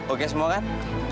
oke semua kan